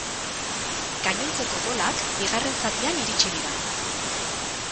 Gainontzeko golak bigarren zatian iritsi dira.